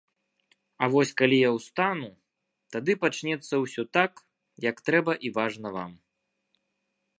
А вось калі я ўстану, тады пачнецца ўсё так, як трэба і важна вам.